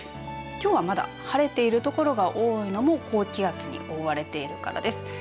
きょうはまだ晴れている所が多いのも高気圧に覆われているからです。